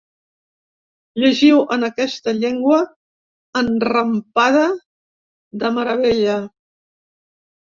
Llegiu en aquesta llengua enrampada de meravella.